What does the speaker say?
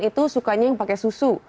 itu sukanya yang pakai susu